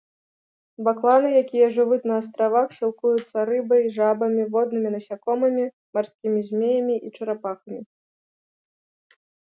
Бакланы, якія жывуць на астравах, сілкуюцца рыбай, жабамі, воднымі насякомымі, марскімі змеямі і чарапахамі.